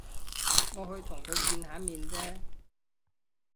我去同佢見下面啫